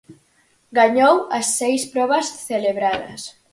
Gañou as seis probas celebradas.